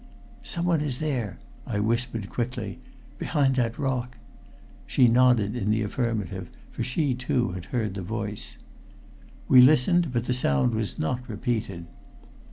"Someone is there," I whispered quickly. "Behind that rock." She nodded in the affirmative, for she, too, had heard the voice. We listened, but the sound was not repeated.